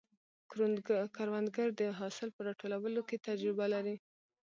کروندګر د حاصل په راټولولو کې تجربه لري